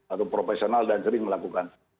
atau profesional dan sering melakukan